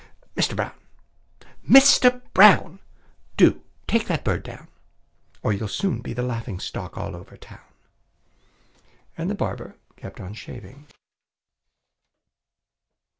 Mister Brown! Mister Brown! Do take that bird down, Or you'll soon be the laughing stock all over town!" And the barber kept on shaving.